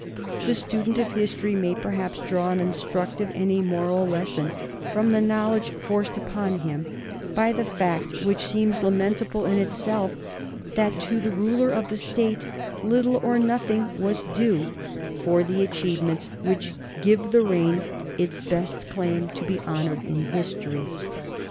The student of history may perhaps draw an instructive and a moral lesson from the knowledge forced upon him of the fact which seems lamentable in itself that to the ruler of the State little or nothing was due for the achievements which give the reign its best claim to be honored in history.